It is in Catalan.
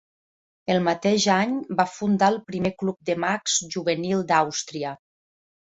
El mateix any va fundar el primer club de mags juvenil d'Àustria.